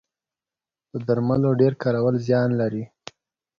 د درملو ډیر کارول زیان لري